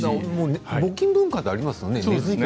募金文化がありますよね。